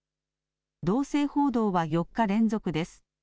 動静報道は４日連続です。